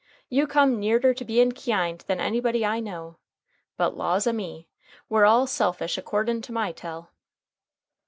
You come nearder to bein kyind than anybody I know; but, laws a me! we're all selfish akordin' to my tell."